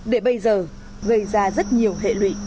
để bây giờ gây ra rất nhiều hệ lụy